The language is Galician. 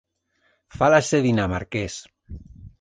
Fálase dinamarqués